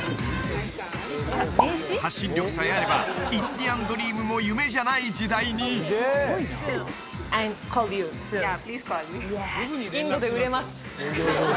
発信力さえあればインディアンドリームも夢じゃない時代にプリーズコールミーインドで売れます